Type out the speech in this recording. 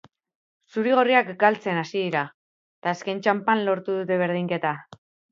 Zuri-gorriak galtzen hasi dira, eta azken txanpan lortu dute berdinketa.